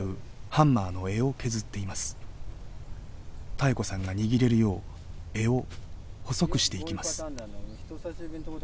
妙子さんが握れるよう柄を細くしていきます。